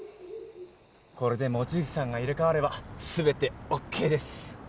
これで望月さんが入れ替われば全てオッケーです